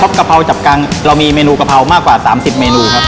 กะเพราจับกังเรามีเมนูกะเพรามากกว่า๓๐เมนูครับ